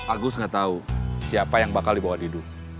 agus gak tau siapa yang bakal dibawa didu